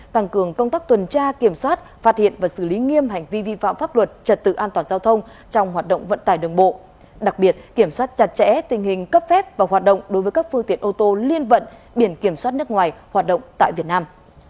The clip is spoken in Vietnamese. tăng cường công tác tuần tra kiểm soát phát hiện và xử lý nghiêm hành vi vi phạm pháp luật trật tự an toàn giao thông trong hoạt động vận tải đường bộ đặc biệt kiểm soát chặt chẽ tình hình cấp phép và hoạt động đối với các phương tiện ô tô liên vận biển kiểm soát nước ngoài hoạt động tại việt nam